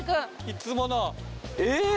いつもの。えっ。